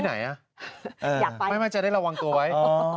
ที่ไหนไม่ว่าจะได้ระวังตัวไว้